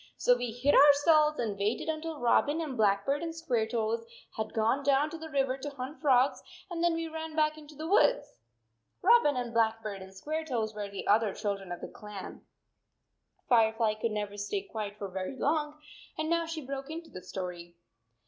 So we hid ourselves and waited un til Robin and Blackbird and Squaretoes had gone down to the river to hunt frogs, and then we ran back into the woods." Robin and Blackbird and Squaretoes were the other children of the clan. Firefly could never stay quiet for very long and now she broke into the story.